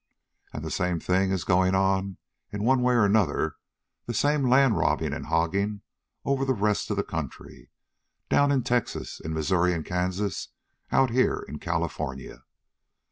"And the same thing is going on, in one way or another, the same land robbing and hogging, over the rest of the country down in Texas, in Missouri, and Kansas, out here in California.